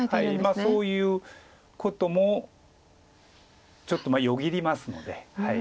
そういうこともちょっとよぎりますので。